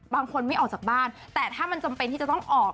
บางคนไม่ออกจากบ้านแต่ถ้ามันจำเป็นที่จะต้องออก